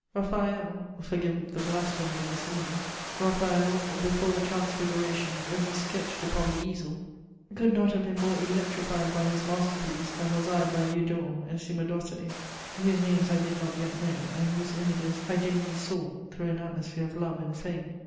Raphael forgive the blasphemy of the simile Raphael, before the Transfiguration only sketched upon the easel, could not have been more electrified by his master piece than was I by Eudore and Cymodocée, whose names I did not yet know and whose images I dimly saw through an atmosphere of love and fame.